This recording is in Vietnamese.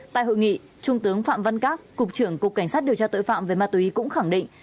tại hội nghị trung tướng phạm văn các cục trưởng cục cảnh sát điều tra tội phạm về ma túy cũng khẳng định